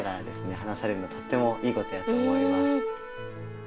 話されるのとってもいいことやと思います。